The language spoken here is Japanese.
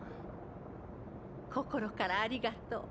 心からありがとう。